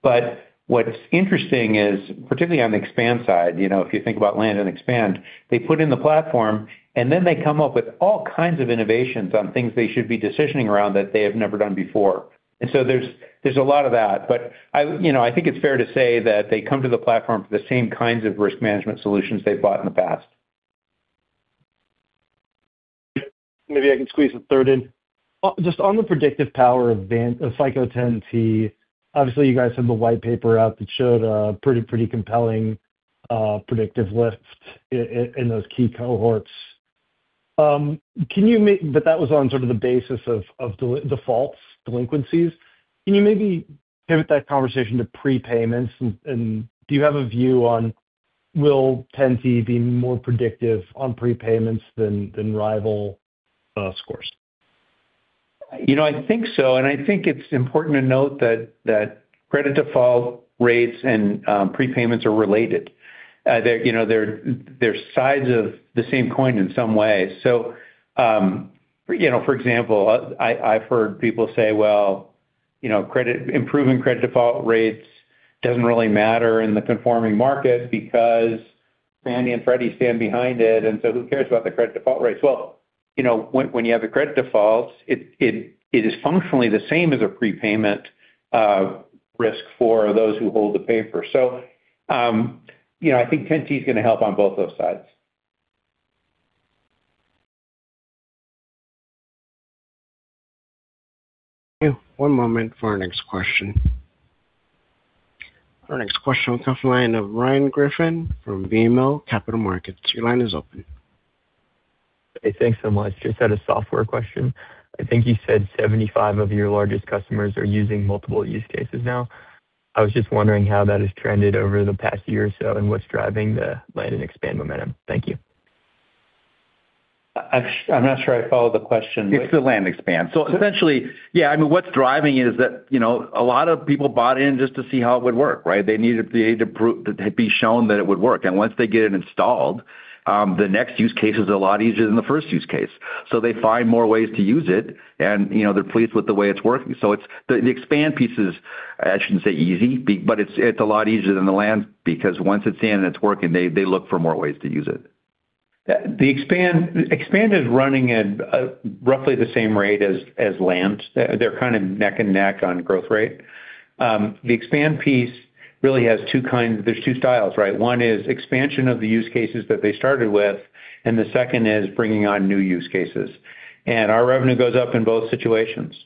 But what's interesting is, particularly on the expand side, you know, if you think about land and expand, they put in the platform, and then they come up with all kinds of innovations on things they should be decisioning around that they have never done before. And so there's a lot of that. But I, you know, I think it's fair to say that they come to the platform for the same kinds of risk management solutions they've bought in the past. Maybe I can squeeze a third in. Just on the predictive power of FICO 10T, obviously, you guys have the white paper out that showed a pretty, pretty compelling, predictive lift in, in those key cohorts. But that was on sort of the basis of defaults, delinquencies. Can you maybe pivot that conversation to prepayments? And do you have a view on will 10T be more predictive on prepayments than rival scores? You know, I think so, and I think it's important to note that credit default rates and prepayments are related. They're, you know, they're sides of the same coin in some ways. So, you know, for example, I've heard people say, "Well, you know, credit-improving credit default rates doesn't really matter in the conforming market because Fannie and Freddie stand behind it, and so who cares about the credit default rates?" Well, you know, when you have the credit defaults, it is functionally the same as a prepayment risk for those who hold the paper. So, you know, I think 10T is going to help on both those sides. One moment for our next question. Our next question will come from the line of Ryan Griffin from BMO Capital Markets. Your line is open. Hey, thanks so much. Just had a software question. I think you said 75 of your largest customers are using multiple use cases now. I was just wondering how that has trended over the past year or so, and what's driving the land and expand momentum. Thank you. I'm not sure I follow the question. It's the land and expand. So essentially, yeah, I mean, what's driving it is that, you know, a lot of people bought in just to see how it would work, right? They needed to be to be shown that it would work. And once they get it installed, the next use case is a lot easier than the first use case. So they find more ways to use it, and, you know, they're pleased with the way it's working. So it's the expand piece is, I shouldn't say easy, but it's a lot easier than the land, because once it's in and it's working, they look for more ways to use it. The expand is running at roughly the same rate as land. They're kind of neck and neck on growth rate. The expand piece really has two kinds. There's two styles, right? One is expansion of the use cases that they started with, and the second is bringing on new use cases. And our revenue goes up in both situations.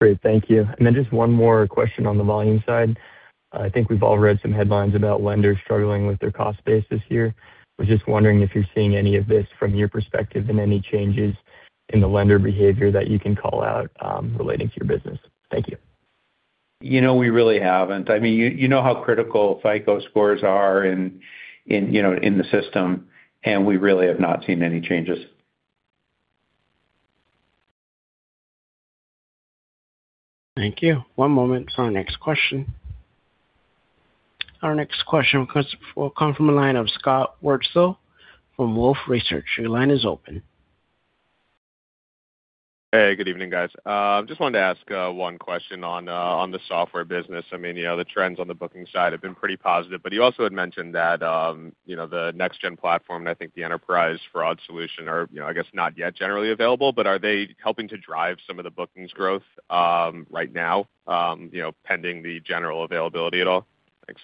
Great, thank you. And then just one more question on the volume side. I think we've all read some headlines about lenders struggling with their cost base this year. I was just wondering if you're seeing any of this from your perspective and any changes in the lender behavior that you can call out, relating to your business. Thank you. You know, we really haven't. I mean, you, you know how critical FICO Scores are in, in, you know, in the system, and we really have not seen any changes. Thank you. One moment for our next question. Our next question comes, will come from the line of Scott Wurtzel from Wolfe Research. Your line is open. Hey, good evening, guys. Just wanted to ask one question on the software business. I mean, you know, the trends on the booking side have been pretty positive, but you also had mentioned that, you know, the next gen platform, I think the enterprise fraud solutions are, you know, I guess not yet generally available, but are they helping to drive some of the bookings growth right now, you know, pending the general availability at all? Thanks.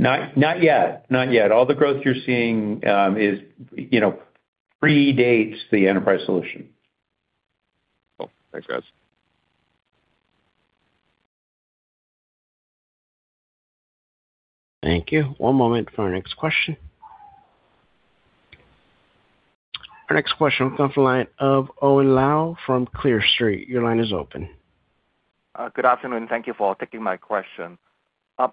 Not, not yet. Not yet. All the growth you're seeing, you know, predates the enterprise solution. Cool. Thanks, guys. Thank you. One moment for our next question. Our next question comes from the line of Owen Lau from Clear Street. Your line is open. Good afternoon, and thank you for taking my question.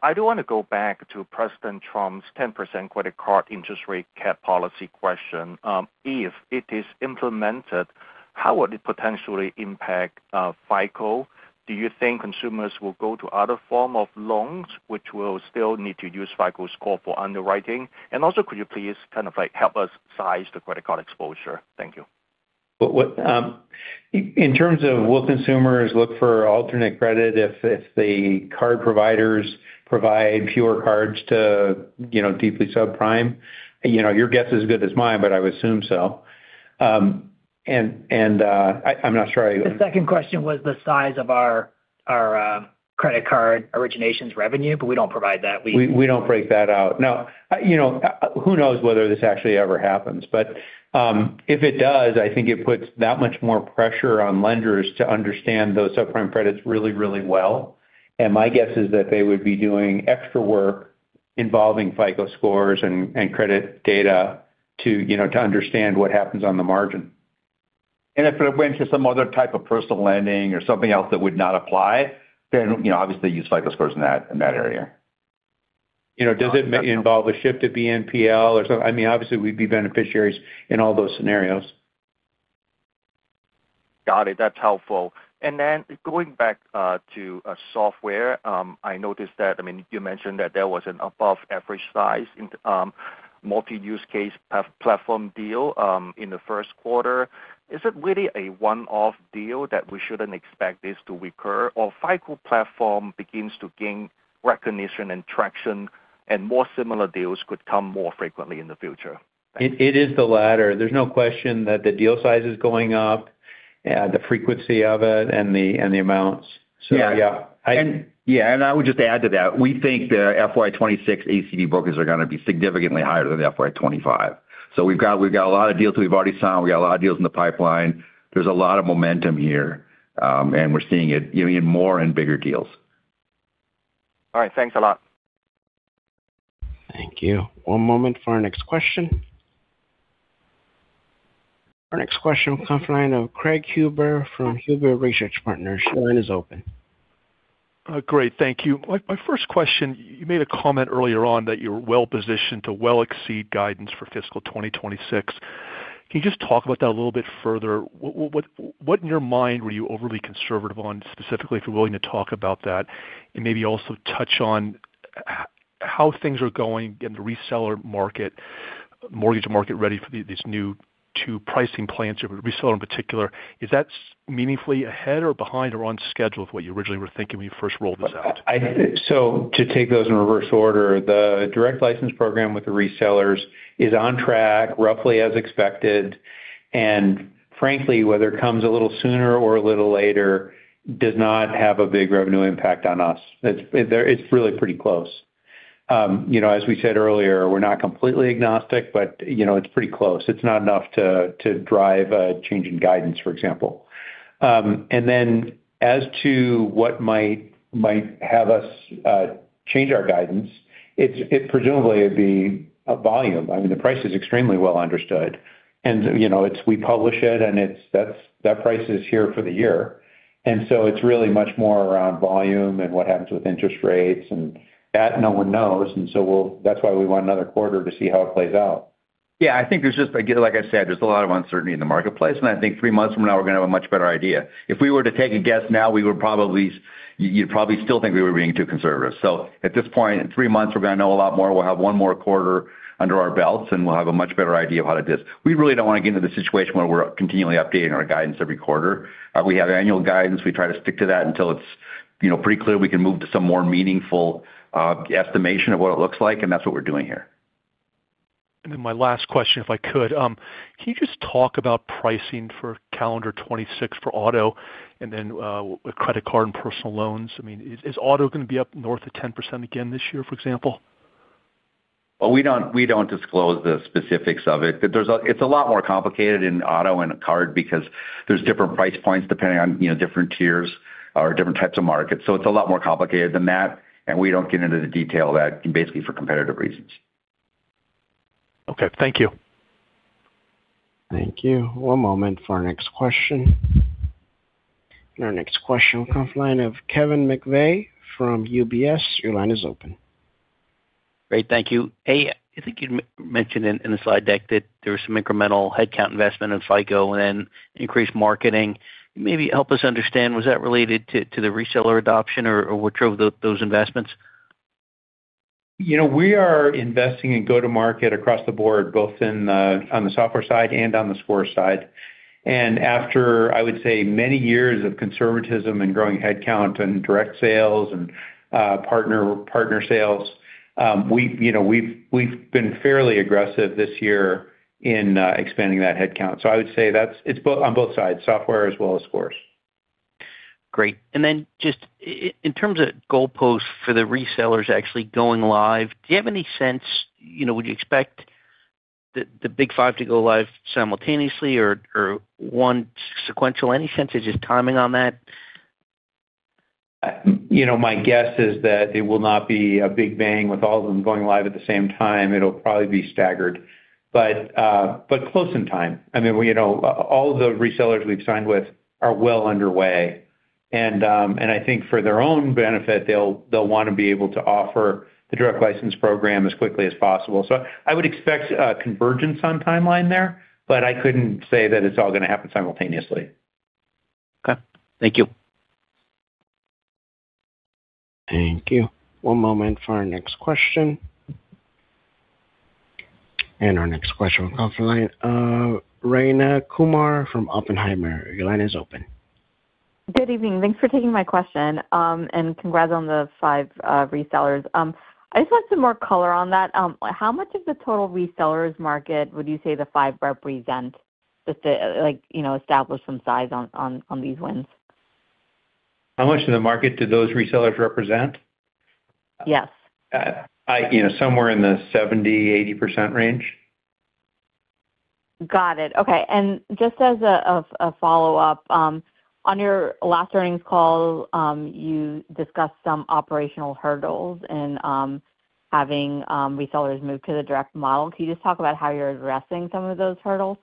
I do want to go back to President Trump's 10% credit card interest rate cap policy question. If it is implemented, how would it potentially impact FICO? Do you think consumers will go to other form of loans, which will still need to use FICO Score for underwriting? And also, could you please kind of, like, help us size the credit card exposure? Thank you. What? In terms of will consumers look for alternate credit if the card providers provide fewer cards to, you know, deeply subprime? You know, your guess is as good as mine, but I would assume so. And I, I'm not sure I- The second question was the size of our credit card originations revenue, but we don't provide that. We don't break that out. Now, you know, who knows whether this actually ever happens? But, if it does, I think it puts that much more pressure on lenders to understand those subprime credits really, really well. And my guess is that they would be doing extra work involving FICO Scores and credit data to, you know, to understand what happens on the margin. If it went to some other type of personal lending or something else that would not apply, then, you know, obviously, use FICO Scores in that, in that area. You know, does it involve a shift at BNPL or so? I mean, obviously, we'd be beneficiaries in all those scenarios. Got it. That's helpful. And then going back to software, I noticed that, I mean, you mentioned that there was an above-average size in multi-use case platform deal in the first quarter. Is it really a one-off deal that we shouldn't expect this to recur, or FICO Platform begins to gain recognition and traction, and more similar deals could come more frequently in the future? It is the latter. There's no question that the deal size is going up, the frequency of it and the amounts. So, yeah, I- Yeah, and I would just add to that. We think the FY 2026 ACV bookings are gonna be significantly higher than the FY 2025. So we've got a lot of deals we've already signed. We got a lot of deals in the pipeline. There's a lot of momentum here, and we're seeing it even more in bigger deals. All right, thanks a lot. Thank you. One moment for our next question. Our next question will come from the line of Craig Huber from Huber Research Partners. Your line is open. Great. Thank you. My first question, you made a comment earlier on that you're well-positioned to well exceed guidance for fiscal 2026. Can you just talk about that a little bit further? What, what in your mind were you overly conservative on, specifically, if you're willing to talk about that, and maybe also touch on how things are going in the reseller market, mortgage market, ready for these new two pricing plans, reseller in particular. Is that meaningfully ahead or behind or on schedule of what you originally were thinking when you first rolled this out? So to take those in reverse order, the Direct License Program with the resellers is on track, roughly as expected. And frankly, whether it comes a little sooner or a little later does not have a big revenue impact on us. It's really pretty close. You know, as we said earlier, we're not completely agnostic, but, you know, it's pretty close. It's not enough to drive a change in guidance, for example. And then as to what might have us change our guidance, it presumably would be volume. I mean, the price is extremely well understood. And, you know, we publish it, and that's that price is here for the year. And so it's really much more around volume and what happens with interest rates, and that no one knows, and so we'll, that's why we want another quarter to see how it plays out. Yeah, I think there's just, again, like I said, there's a lot of uncertainty in the marketplace, and I think three months from now, we're gonna have a much better idea. If we were to take a guess now, we would probably—you'd probably still think we were being too conservative. So at this point, in three months, we're gonna know a lot more. We'll have one more quarter under our belts, and we'll have a much better idea of how it is. We really don't want to get into the situation where we're continually updating our guidance every quarter. We have annual guidance. We try to stick to that until it's, you know, pretty clear we can move to some more meaningful estimation of what it looks like, and that's what we're doing here. Then my last question, if I could. Can you just talk about pricing for calendar 2026 for auto and then credit card and personal loans? I mean, is auto gonna be up north of 10% again this year, for example? Well, we don't, we don't disclose the specifics of it. But it's a lot more complicated in auto and card because there's different price points depending on, you know, different tiers or different types of markets. So it's a lot more complicated than that, and we don't get into the detail of that, basically for competitive reasons. Okay. Thank you. Thank you. One moment for our next question. Our next question will come from the line of Kevin McVeigh from UBS. Your line is open. Great, thank you. Hey, I think you mentioned in, in the slide deck that there was some incremental headcount investment in FICO and then increased marketing. Maybe help us understand, was that related to, to the reseller adoption or, or what drove those investments? You know, we are investing in go-to-market across the board, both on the software side and on the score side. And after, I would say, many years of conservatism and growing headcount and direct sales and partner sales, you know, we've been fairly aggressive this year in expanding that headcount. So I would say that's on both sides, software as well as scores. Great. And then just in terms of goalposts for the resellers actually going live, do you have any sense... You know, would you expect the, the Big Five to go live simultaneously or, or one sequential? Any sense of just timing on that? You know, my guess is that it will not be a big bang with all of them going live at the same time. It'll probably be staggered, but close in time. I mean, you know, all of the resellers we've signed with are well underway, and I think for their own benefit, they'll want to be able to offer the Direct License Program as quickly as possible. So I would expect a convergence on timeline there, but I couldn't say that it's all gonna happen simultaneously. Okay. Thank you. Thank you. One moment for our next question. And our next question will come from the line of Rayna Kumar from Oppenheimer. Your line is open. Good evening. Thanks for taking my question, and congrats on the five resellers. I just want some more color on that. How much of the total resellers market would you say the five represent? Just to, like, you know, establish some size on these wins. How much of the market do those resellers represent? Yes. You know, somewhere in the 70%-80% range. Got it. Okay. And just as a follow-up on your last earnings call, you discussed some operational hurdles in having resellers move to the direct model. Can you just talk about how you're addressing some of those hurdles?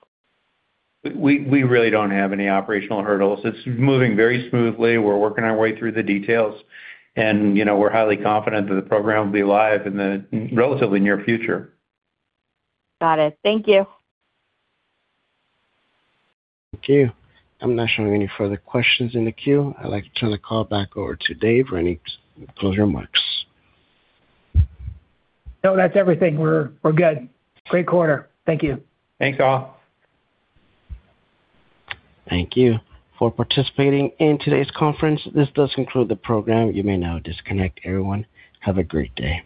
We really don't have any operational hurdles. It's moving very smoothly. We're working our way through the details, and, you know, we're highly confident that the program will be live in the relatively near future. Got it. Thank you. Thank you. I'm not showing any further questions in the queue. I'd like to turn the call back over to Dave for any closing remarks. No, that's everything. We're good. Great quarter. Thank you. Thanks, all. Thank you for participating in today's conference. This does conclude the program. You may now disconnect everyone. Have a great day.